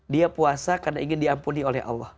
dia puasa karena ingin diampuni oleh allah